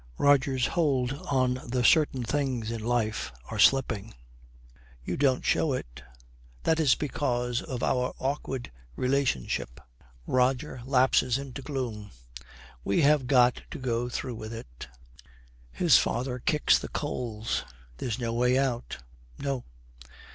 Roger's hold on the certain things in life are slipping. 'You don't show it.' 'That is because of our awkward relationship.' Roger lapses into gloom. 'We have got to go through with it.' His father kicks the coals. 'There's no way out.' 'No.'